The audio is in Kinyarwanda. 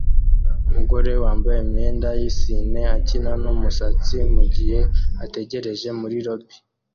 Umugore wambaye imyenda yisine akina numusatsi mugihe ategereje muri lobby